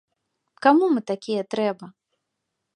Каму мы такія трэба?